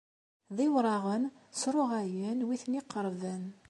D iwraɣen, sruɣayen wi ten-iqerrben.